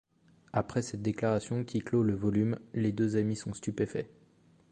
Après cette déclaration, qui clôt le volume, les deux amis sont stupéfaits.